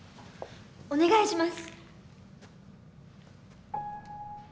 お願いします。